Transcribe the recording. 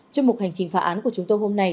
chương mục hành trình phá án của chúng tôi hôm nay